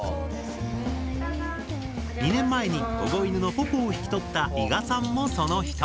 ２年前に保護犬のポポを引き取った伊賀さんもその１人。